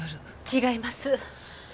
違います。